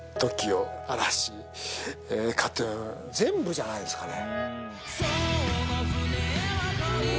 じゃないですかね。